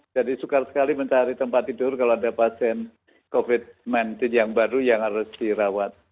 jadi sukar sekali mencari tempat tidur kalau ada pasien covid sembilan belas yang baru yang harus dirawat